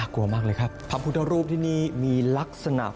ระวังภาคกินคนนะ